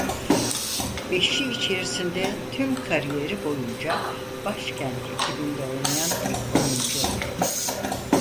Beşli içerisinde tüm kariyeri boyunca başkent ekibinde oynayan tek oyuncu oldu.